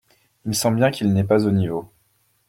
Il sent bien qu’il n’est pas au niveau.